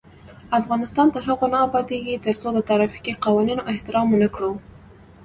افغانستان تر هغو نه ابادیږي، ترڅو د ترافیکي قوانینو احترام ونکړو.